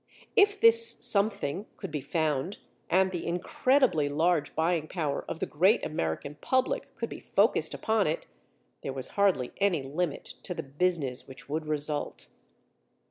If this something could be found, and the incredibly large buying power of the great American public could be focused upon it, there was hardly any limit to the business which would result.